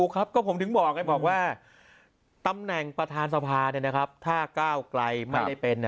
ก็ผมถึงบอกตำแหน่งประธานสภาถ้าก้าวไกลไม่ได้เป็น